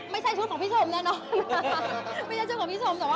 ไม่ใช่ชุดของชมแน่นอน